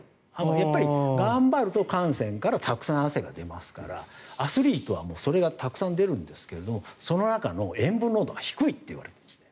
やっぱり頑張ると、汗腺からたくさん汗が出ますからアスリートはそれがたくさん出るんですがその中の塩分濃度が低いといわれているんですね。